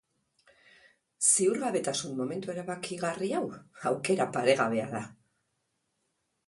Ziurgabetasun momentu erabakigarri hau aukera paregabea da.